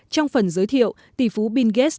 trong phần giới thiệu tỷ phú bill gates